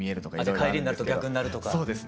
帰りになると逆になるとか。